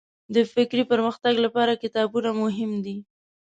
د فکري پرمختګ لپاره کتابونه مهم دي.